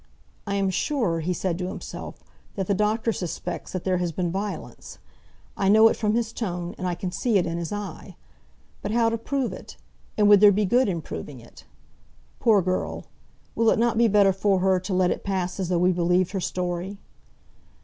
"I am sure," he said to himself, "that the doctor suspects that there has been violence. I know it from his tone, and I can see it in his eye. But how to prove it? and would there be good in proving it? Poor girl! Will it not be better for her to let it pass as though we believed her story?"